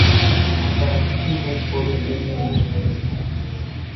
Անտառահատի ոչ բոլոր զոհերն են մեռել։